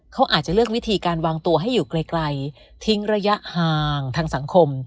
เขาอาจจะเลือกวิธีการวางตัวให้อยู่ไกลทิ้งระยะห่างทางสังคม